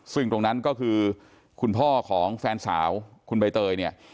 ซึ่งตรงนั้นก็คือคุณพ่อของแฟนสาวคุณใบเตยเนี่ย